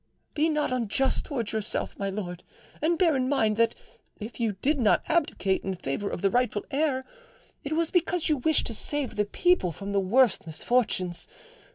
"Be not unjust towards yourself, my lord, and bear in mind that if you did not abdicate in favour of the rightful heir, it was because you wished to save the people from the worst misfortunes.